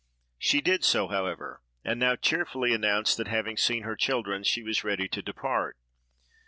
She did so, however, and now cheerfully announced that, having seen her children, she was ready to depart.